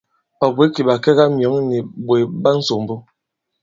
Ɔ̀ bwě kì ɓàkɛgamyɔ̌ŋ nì ɓòt ɓa ǹsòmbo.